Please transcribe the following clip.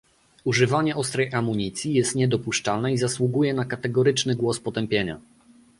Używanie ostrej amunicji jest niedopuszczalne i zasługuje na kategoryczny głos potępienia